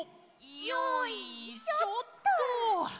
よいしょっと！